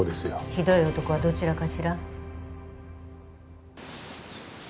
ひどい男はどちらかしら？